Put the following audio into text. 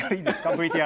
ＶＴＲ。